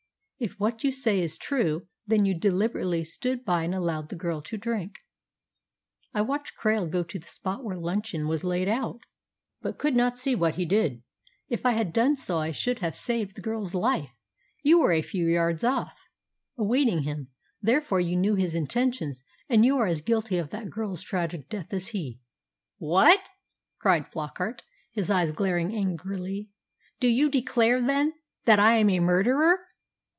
"If what you say is true, then you deliberately stood by and allowed the girl to drink." "I watched Krail go to the spot where luncheon was laid out, but could not see what he did. If I had done so I should have saved the girl's life. You were a few yards off, awaiting him; therefore you knew his intentions, and you are as guilty of that girl's tragic death as he." "What!" cried Flockart, his eyes glaring angrily, "do you declare, then, that I am a murderer?"